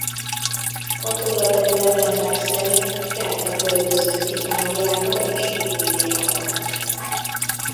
A korabeli legendák szerint kelta költözött Itáliába és Illíriába.